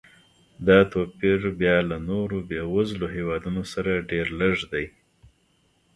دا توپیر بیا له نورو بېوزلو هېوادونو سره ډېر لږ دی.